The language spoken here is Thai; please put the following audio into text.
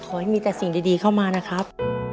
ขอให้มีแต่สิ่งดีเข้ามานะครับ